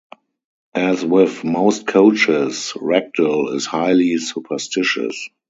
As with most coaches, Rekdal is highly superstitious.